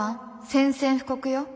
宣戦布告よ。